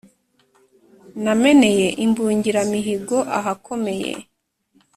Nameneye Imbungiramihigo ahakomeye,